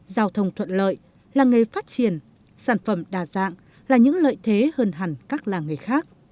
giao thông thuận lợi làng nghề phát triển sản phẩm đa dạng là những lợi thế hơn hẳn các làng nghề khác